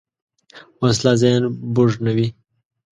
وسله ذهن بوږنوې